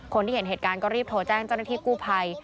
เห็นเหตุการณ์ก็รีบโทรแจ้งเจ้าหน้าที่กู้ภัย